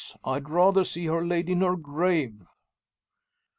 I'd rather see her laid in her grave!"